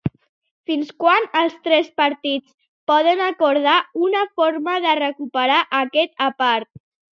Fins quan els tres partits poden acordar una forma de recuperar aquest apartat?